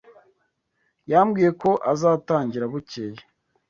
Yambwiye ko azatangira bukeye.